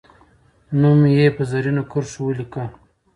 نوم یې په زرینو کرښو ولیکه.